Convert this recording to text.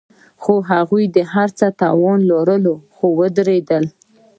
هغوی د هر څه توان لرلو، خو ودریدل.